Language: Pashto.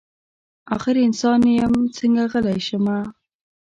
اخر انسان یم څنګه غلی شمه.